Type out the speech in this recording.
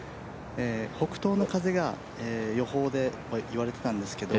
北東の風が予報で言われていたんですけど、